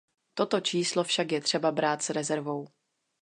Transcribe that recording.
Toto číslo však je třeba brát s rezervou.